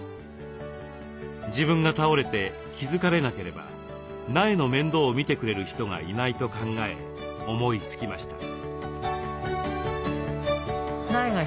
自分が倒れて気付かれなければ苗の面倒をみてくれる人がいないと考え思いつきました。